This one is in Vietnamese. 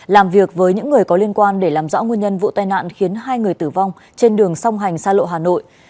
làm việc với những người có liên quan để làm rõ nguyên nhân vụ tai nạn khiến hai người tử vong trên đường song hành xa lộ hà nội